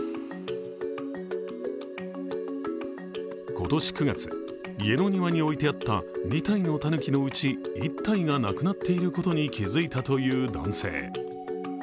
今年９月、家の庭に置いてあった２体のたぬきのうち１体がなくなっていることに気づいたという男性。